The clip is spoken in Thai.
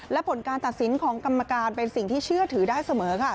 และผลการตัดสินของกรรมการเป็นสิ่งที่เชื่อถือได้เสมอค่ะ